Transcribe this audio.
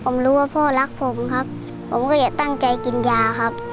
ผมรู้ว่าพ่อรักผมครับผมก็อย่าตั้งใจกินยาครับ